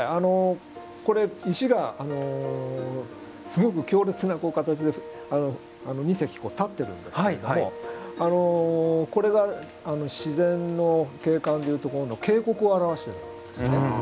これ石がすごく強烈な形で２石立ってるんですけれどもこれが自然の景観で言うところの渓谷を表しているんですよね。